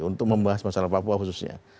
untuk membahas masalah papua khususnya